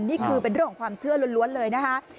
นี่คือเป็นเรื่องของความเชื่อล้วนเลยนะคะ